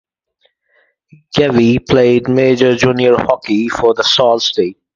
Gavey played major junior hockey for the Sault Ste.